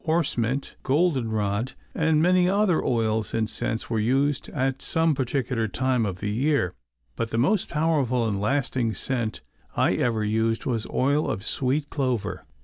Horse mint, goldenrod, and many other oils and scents were used at some particular time of the year, but the most powerful and lasting scent I ever used was oil of sweet clover.